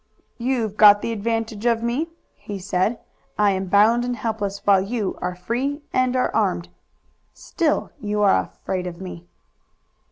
"You've got the advantage of me," he said. "I am bound and helpless, while you are free and are armed. Still you are afraid of me."